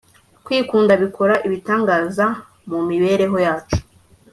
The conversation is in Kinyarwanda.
kwikunda bikora ibitangaza mu mibereho yacu